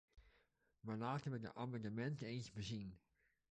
Maar laten we de amendementen eens bezien.